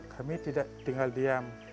kami tidak tinggal diam